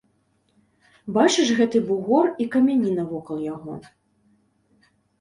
Бачыш гэты бугор і камяні навокал яго?